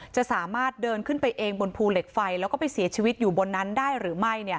จะสามารถเดินขึ้นไปเองบนภูเหล็กไฟแล้วก็ไปเสียชีวิตอยู่บนนั้นได้หรือไม่